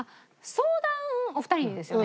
相談お二人にですよね？